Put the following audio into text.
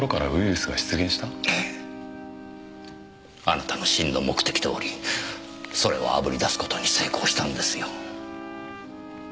あなたの真の目的どおりそれを炙り出す事に成功したんですよ。